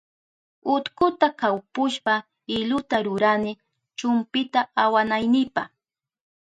Utkuta kawpushpa iluta rurani chumpita awanaynipa.